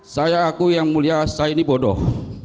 saya aku yang mulia saya ini bodoh